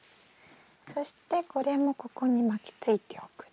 そしてこれもここに巻きついておくれ。